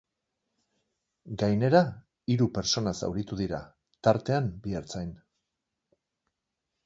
Gainera, hiru pertsona zauritu dira, tartean bi ertzain.